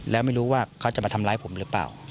แล้วไม่รู้ว่าเขาจะมาทำร้ายผมหรือเปล่า